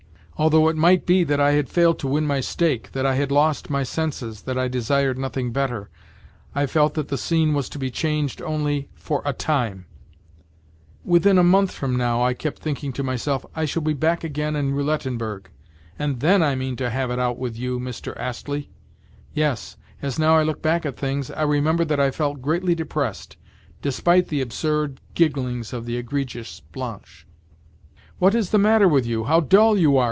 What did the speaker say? Although it might be that I had failed to win my stake, that I had lost my senses, that I desired nothing better, I felt that the scene was to be changed only for a time. "Within a month from now," I kept thinking to myself, "I shall be back again in Roulettenberg; and then I mean to have it out with you, Mr. Astley!" Yes, as now I look back at things, I remember that I felt greatly depressed, despite the absurd gigglings of the egregious Blanche. "What is the matter with you? How dull you are!"